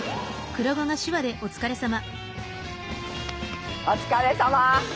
お疲れさま！